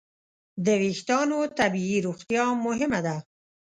د وېښتیانو طبیعي روغتیا مهمه ده.